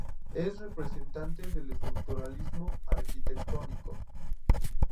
Es representante del estructuralismo arquitectónico.